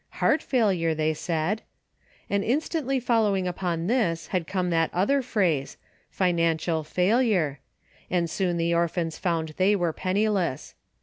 Heart failure, they said! And instantly fol lowing upon this had come that other phrase, " financial failure," and soon the orphans found they were penniless.